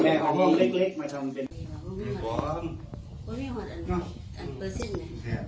มีความแท้ความแท้นเปอร์เซ็นต์